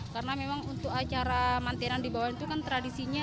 karena memang untuk acara mantenan di bawah itu kan tradisinya